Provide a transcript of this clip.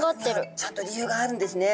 ちゃんと理由があるんですね。